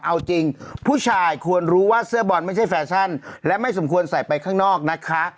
เอาจริงผู้ชายควรรู้ว่าเสื้อบอลไม่ใช่แฟชั่นและไม่สมควรใส่ไปข้างนอกนะคะ